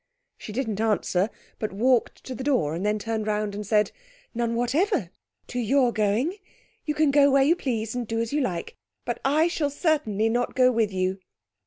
She didn't answer, but walked to the door and then turned round and said 'None whatever to your going. You can go where you please, and do as you like. But I shall certainly not go with you!'